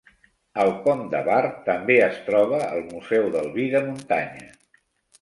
Al Pont de Bar també es troba el Museu del vi de muntanya.